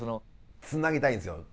つなげたいんですよ。